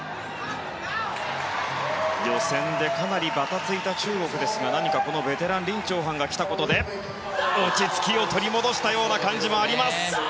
予選でかなりバタついた中国ですが何かベテランリン・チョウハンが来たことで落ち着きを取り戻したような感じがあります。